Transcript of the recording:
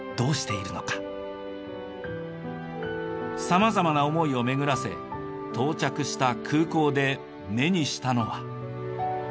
さまざまな思いを巡らせ到着した空港で目にしたのは。